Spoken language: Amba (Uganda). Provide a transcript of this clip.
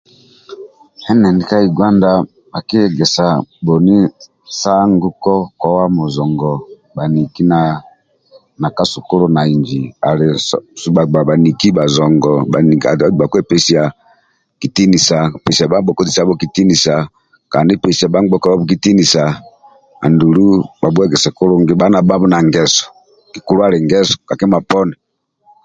Endindi ka Yuganda bhakiegesa bhoni sa nguko kowa muzongo bhaniki na ka sukulu na inji ali subha bhaniki bhazongo bhakiepesia kitinisa pesia bhangbekuabho kitinisa bhali na bhabho na ngeso kikulu ali ngeso